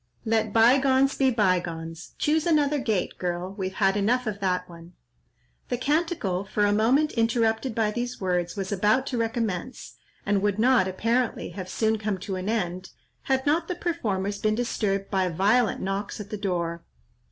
Let bygones be bygones! Choose another gait, girl; we've had enough of that one." The canticle, for a moment interrupted by these words, was about to recommence, and would not, apparently, have soon come to an end, had not the performers been disturbed by violent knocks at the door.